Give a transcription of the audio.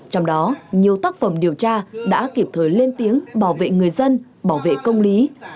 trong đó nhiều tác phẩm điều tra đã kịp thời lên tiếng bảo vệ người dân bảo vệ công lý